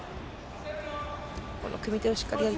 ここの組み手をしっかりやり